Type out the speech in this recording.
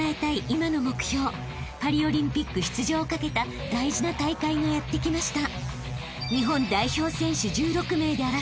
［パリオリンピック出場をかけた大事な大会がやってきました］